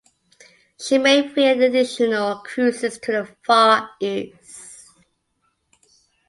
She made three additional cruises to the Far East.